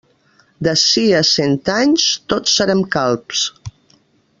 D'ací a cent anys tots serem calbs.